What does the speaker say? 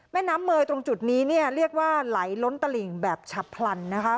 แม่น้ำเมย์ตรงจุดนี้เนี่ยเรียกว่าไหลล้นตลิ่งแบบฉับพลันนะคะ